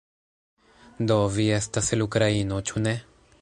Do, vi estas el Ukraino ĉu ne?